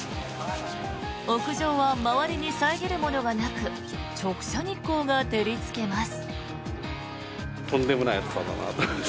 屋上は周りに遮るものがなく直射日光が照りつけます。